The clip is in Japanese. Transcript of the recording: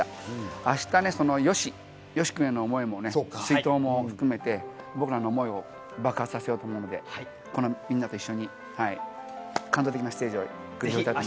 明日、ＹＯＳＨＩ君への思いもね、追悼も含めて僕らの思いを爆発させようと思うので、このみんなと一緒に感動的なステージを繰り広げます。